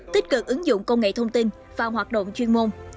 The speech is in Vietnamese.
tích cực ứng dụng công nghệ thông tin và hoạt động chuyên môn